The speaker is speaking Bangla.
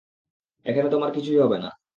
এখানে তোমার কিছুই হবে না।